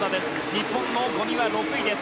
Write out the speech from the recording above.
日本の五味は６位です。